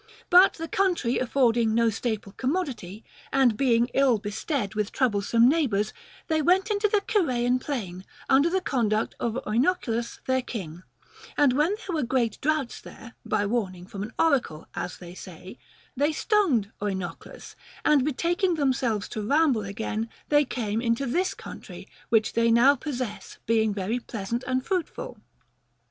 But the country affording no staple commodity, and being ill bestead with trouble some neighbors, they went into the Cirraean plain, under the conduct of Oenoclus their king, And when there were great droughts there, by warning from an oracle (as they say) they stoned Oenoclus ; and betaking themselves to ramble again, they came into this country which they now possess, being very pleasant and fruitful.